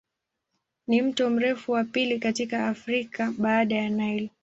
Ni mto mrefu wa pili katika Afrika baada ya Nile.